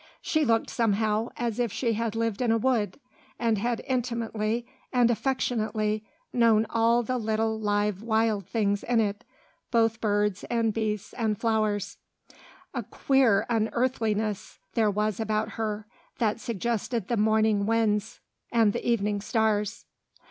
She looked somehow as if she had lived in a wood, and had intimately and affectionately known all the little live wild things in it, both birds and beasts and flowers: a queer unearthliness there was about her, that suggested the morning winds and the evening stars.